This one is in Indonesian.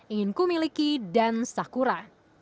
ingin kumiliki dan sakura